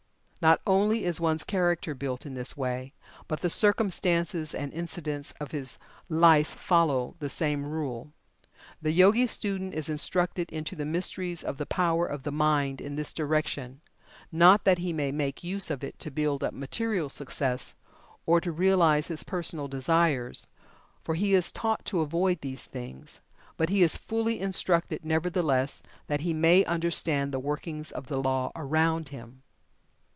Not only is one's character built in this way, but the circumstances and incidents of his life follow the same rule. The Yogi student is instructed into the mysteries of the power of the mind in this direction, not that he may make use of it to build up material success, or to realize his personal desires for he is taught to avoid these things but he is fully instructed, nevertheless, that he may understand the workings of the law around him.